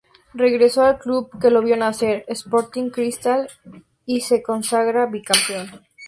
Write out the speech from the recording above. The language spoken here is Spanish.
Regresó al club que lo vio nacer Sporting Cristal y se consagra bicampeón.